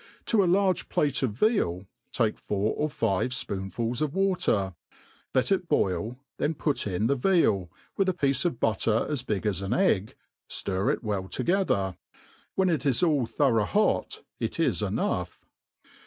To a large plate of veal, take four or five fpoonfuls of water, l^t it boil, then put in the veal, with a piece of/ butter as big as an egg, ftir it well together; when it is all thorough hot, it is enough.